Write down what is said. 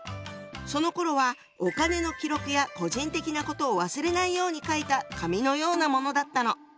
そのころはお金の記録や個人的なことを忘れないように書いた紙のようなものだったの。